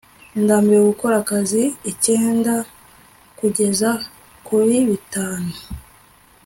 ndambiwe gukora akazi icyenda kugeza kuri bitanu